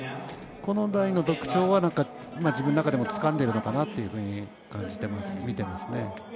この台の特徴は自分の中でもつかんでるのかなというふうに感じていますね。